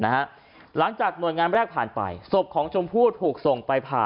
หลังจากหน่วยงานแรกผ่านไปศพของชมพู่ถูกส่งไปผ่า